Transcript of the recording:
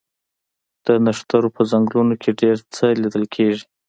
د نښترو په ځنګلونو کې ډیر څه لیدل کیږي